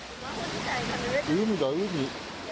海だ、海。